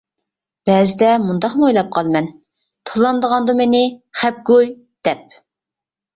بەزىدە مۇنداقمۇ ئويلاپ قالىمەن: تىللامدىغاندۇ مېنى، خەپ گۇي. دەپ.